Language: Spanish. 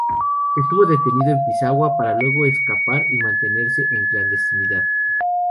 Estuvo detenido en Pisagua para luego escapar y mantenerse en clandestinidad.